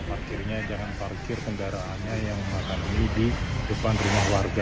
parkirnya jangan parkir kendaraannya yang makan ini di depan rumah warga